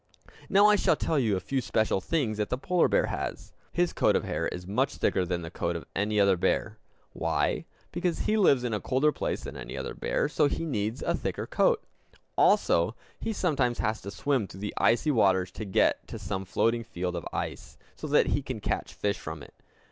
Now I shall tell you a few special things that the polar bear has. His coat of hair is much thicker than the coat of any other bear. Why? Because he lives in a colder place than any other bear; so he needs a thicker coat. Also, he sometimes has to swim through the icy water to get to some floating field of ice, so that he can catch fish from it.